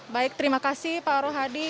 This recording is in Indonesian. baik terima kasih pak rohadi